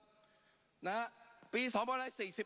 ปรับไปเท่าไหร่ทราบไหมครับ